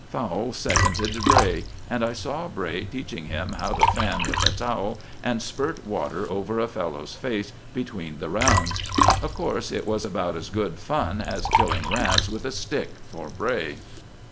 Fowle seconded Bray, and I saw Bray teaching him how to fan with a towel and spurt water over a fellow's face between the rounds. Of course, it was about as good fun as killing rats with a stick for Bray.